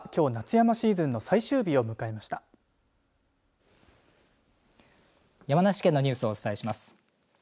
山梨県のニュースをお伝えします。